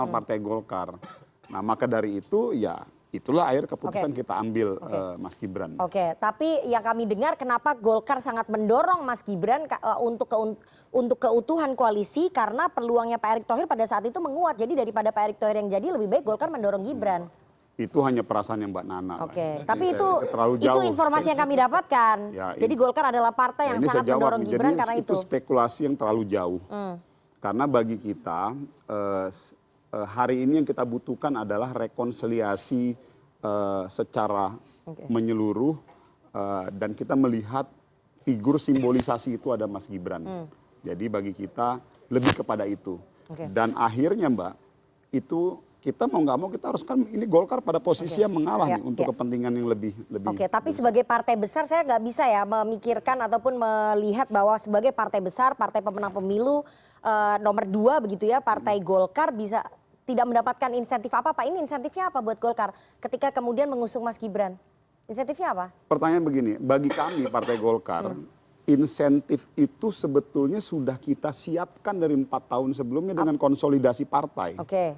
pertanyaan begini bagi kami partai golkar insentif itu sebetulnya sudah kita siapkan dari empat tahun sebelumnya dengan konsolidasi partai